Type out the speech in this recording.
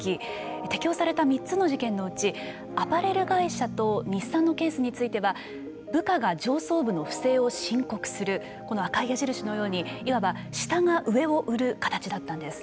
適用された３つの事件のうちアパレル会社と日産のケースについては部下が上層部の不正を申告するこの赤い矢印のようにいわば下が上を売る形だったんです。